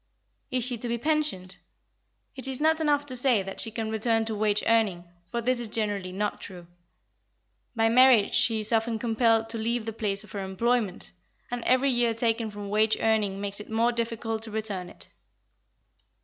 Is she to be pensioned? It is not enough to say that she can return to wage earning, for this is generally not true. By marriage she is often compelled to leave the place of her employment, and every year taken from wage earning makes it more difficult to return to it.